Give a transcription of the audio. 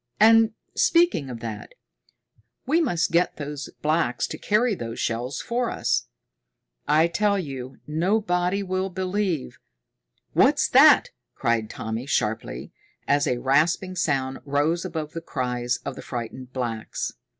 And, speaking of that, we must get those blacks to carry those shells for us. I tell you, nobody will believe " "What's that?" cried Tommy sharply, as a rasping sound rose above the cries of the frightened blacks.